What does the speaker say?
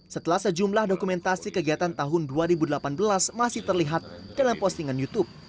setelah sejumlah dokumentasi kegiatan tahun dua ribu delapan belas masih terlihat dalam postingan youtube